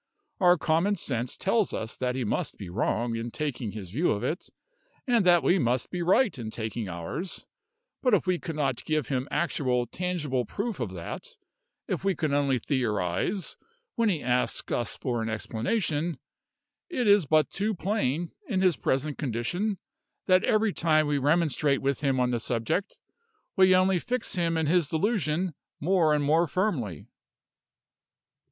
Our common sense tells us that he must be wrong in taking his view of it, and that we must be right in taking ours; but if we cannot give him actual, tangible proof of that if we can only theorize, when he asks us for an explanation it is but too plain, in his present condition, that every time we remonstrate with him on the subject we only fix him in his delusion more and more firmly."